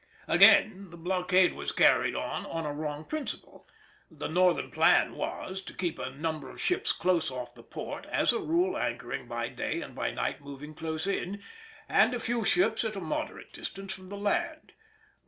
Again, the blockade was carried on on a wrong principle. The Northern plan was,—to keep a number of ships close off the port, as a rule anchoring by day and by night moving close in, and a few ships at a moderate distance from the land.